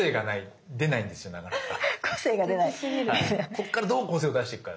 こっからどう個性を出していくか。